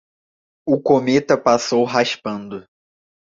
O cometa passou raspando